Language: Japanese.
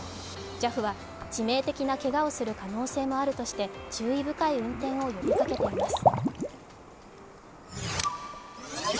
ＪＡＦは致命的なけがをする可能性もあるとして注意深い運転を呼びかけています。